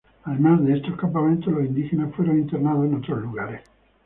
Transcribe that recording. Además de estos campamentos, los indígenas fueron internados en otros lugares.